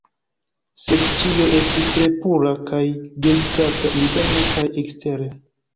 Sed ĉio estis tre pura kaj delikata interne kaj ekstere.